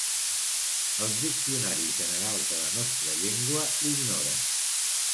Els diccionaris generals de la nostra llengua l'ignoren.